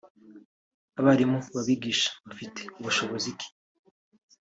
Abarimu babigisha bafite bushobozi ki